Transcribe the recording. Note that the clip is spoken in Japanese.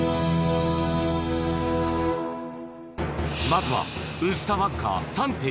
まずは薄さわずか３．４ｍｍ